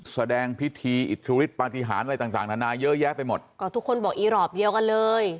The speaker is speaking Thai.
แสดงพิธีอิทธิฤทธปฏิหารอะไรต่างต่างนานาเยอะแยะไปหมดก็ทุกคนบอกอีรอบเดียวกันเลย